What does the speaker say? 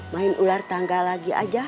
main ular tangga lagi aja